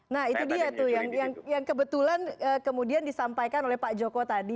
nah itu dia tuh yang kebetulan kemudian disampaikan oleh pak joko tadi